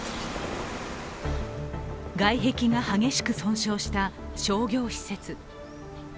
外壁が激しく損傷した商業施設。